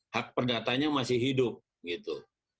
hak perdatanya masih hidup gitu